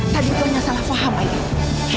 tadi tuanya salah paham aida